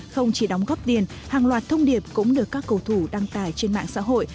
không chỉ đóng góp tiền hàng loạt thông điệp cũng được các cầu thủ đăng tải trên mạng xã hội